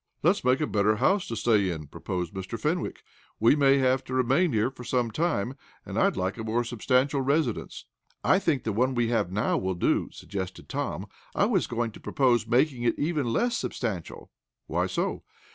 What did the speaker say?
"Let's make a better house to stay in," proposed Mr. Fenwick. "We may have to remain here for some time, and I'd like a more substantial residence." "I think the one we now have will do," suggested Tom. "I was going to propose making it even less substantial." "Why so?"